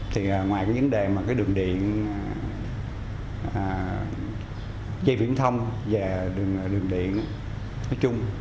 thì ngoài cái vấn đề mà cái đường điện dây viễn thông và đường điện nói chung